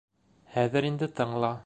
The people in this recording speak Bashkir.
Хәҙер инде тыңла.